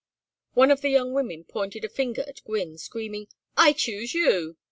One of the young women pointed a finger at Gwynne, screaming, "I choose you!"